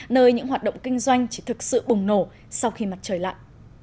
nơi những hoạt động kinh doanh chỉ thực sự bùng nổ sau khi mặt trời lặng